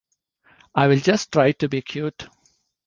I'll just try to be cute.